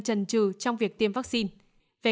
trần trừ trong việc tiêm vaccine